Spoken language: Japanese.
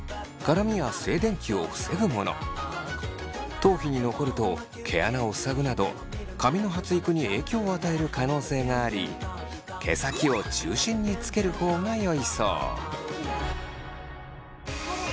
頭皮に残ると毛穴を塞ぐなど髪の発育に影響を与える可能性があり毛先を中心につける方がよいそう。